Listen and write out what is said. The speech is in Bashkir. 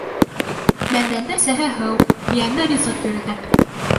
Бәндәне әсәһе һыу, ейәһе ризыҡ йөрөтә.